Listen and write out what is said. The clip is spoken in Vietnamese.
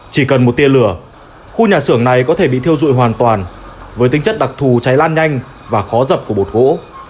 chỉ cần một tia lửa khu nhà xưởng này có thể bị thiêu dụi hoàn toàn với tính chất đặc thù cháy lan nhanh và khó dập của bột gỗ